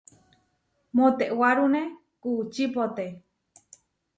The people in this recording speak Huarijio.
Moʼtewárune kuučípote.